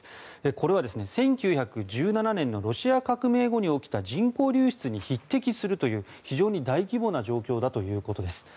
これは１９１７年のロシア革命後に起きた人口流出に匹敵するという大規模な状況だということです。